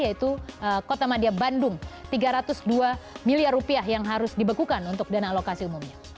yaitu kota madia bandung tiga ratus dua miliar rupiah yang harus dibekukan untuk dana alokasi umumnya